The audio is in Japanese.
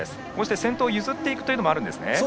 先頭を譲っていくというのもあるんですね。